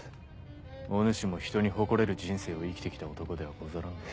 お主もひとに誇れる人生を生きて来た男ではござらんな。